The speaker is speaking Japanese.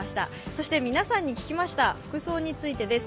そして皆さんに聞きました服装についてです。